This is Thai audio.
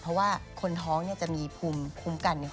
เพราะว่าคนท้องจะมีภูมิ